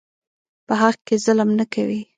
په حق کې ظلم نه کوي.